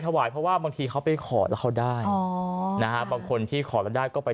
ถวายเพราะว่าบางทีเขาไปขอแล้วเขาได้อ๋อนะฮะบางคนที่ขอแล้วได้ก็ไป